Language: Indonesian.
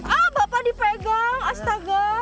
ah bapak dipegang astaga